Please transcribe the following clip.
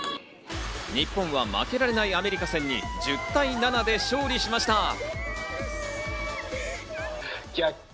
日本は負けられないアメリカ戦に１０対７で勝利しました。